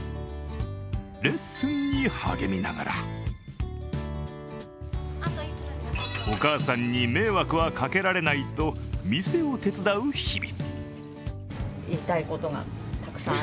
レッスンに励みながらお母さんに迷惑はかけられないと店を手伝う日々。